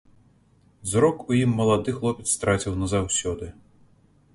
Зрок у ім малады хлопец страціў назаўсёды.